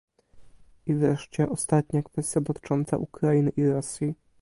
I wreszcie ostatnia kwestia dotycząca Ukrainy i Rosji